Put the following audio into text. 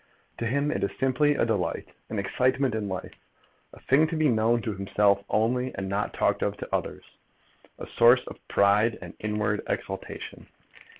To him it is simply a delight, an excitement in life, a thing to be known to himself only and not talked of to others, a source of pride and inward exultation.